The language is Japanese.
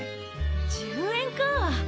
１０円かあ！